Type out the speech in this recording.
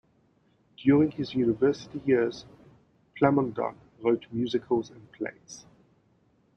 During his university years, Plamondon wrote musicals and plays.